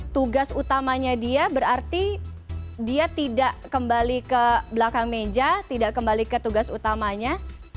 tugas utamanya dia berarti dia tidak kembali ke belakang meja tidak kembali ke tugas utamanya